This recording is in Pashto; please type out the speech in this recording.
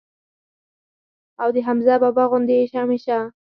او د حمزه بابا غوندي ئې هميشه